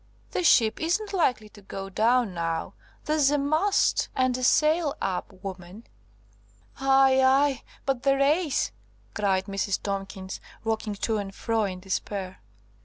The ship isn't likely to go down now! There's a mast and a sail up, woman!" "Aye, aye, but the 'race'!" cried Mrs. Tomkins, rocking to and fro in despair.